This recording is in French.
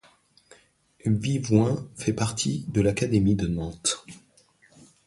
Vivoin fait partie de l'académie de Nantes.